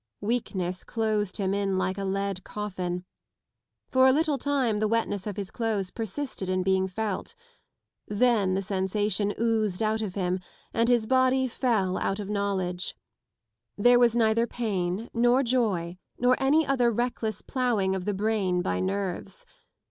Weakness closed him in like a lead coffin. For a little time the wet= ness of his clothes persisted in being felt : then the sensation oozed out of him and Mis body fell out of knowledge. There was neither pain nor joy nor any other reckless ploughing of the brain by nerves.